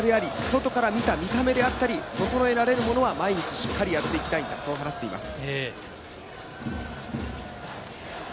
まずは試合に出られるように、結果であり、外から見た、見た目であったり、整えられるものは毎日しっかりやっていきたいと話しています。